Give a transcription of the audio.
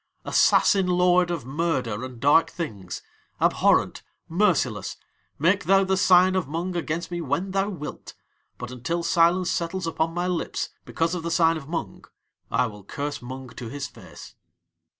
Assassin lord of murder and dark things, abhorrent, merciless, make thou the sign of Mung against me when thou wilt, but until silence settles upon my lips, because of the sign of Mung, I will curse Mung to his face."